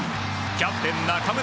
キャプテン、中村亮